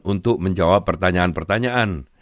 untuk menjawab pertanyaan pertanyaan